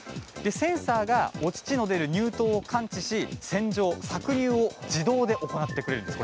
センサーがお乳の出る乳頭を感知し洗浄、搾乳を自動で行ってくれるんです。